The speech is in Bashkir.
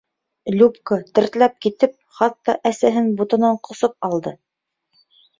Любка, тертләп китеп, хатта әсәһен ботонан ҡосоп алды.